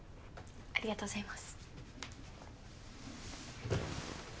ありがとうございます。